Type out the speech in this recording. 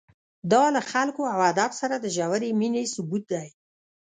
دا له خلکو او ادب سره د ژورې مینې ثبوت دی.